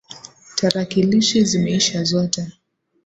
Tarakilishi zimeisha zote.